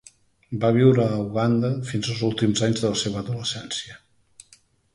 Va viure a Uganda fins als últims anys de la seva adolescència.